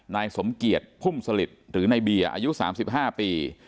นายสมเกียรติพุ่มสลิดหรือในบีอายุสามสิบห้าปี